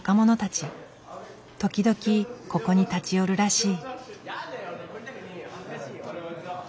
時々ここに立ち寄るらしい。